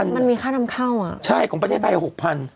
๑๕๐๐๒๐๐๐เนี่ยใช่คงไม่ได้ได้๖๐๐๐บาท